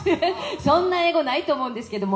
そんな英語ないと思うんですけども。